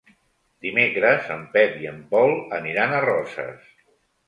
Dimecres en Pep i en Pol aniran a Roses.